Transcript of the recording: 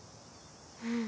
うん。